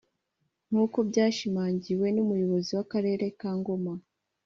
nk’uko byashimangiwe n’umuyobozi w’akarere ka Ngoma